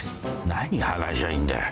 何話しゃいいんだよ。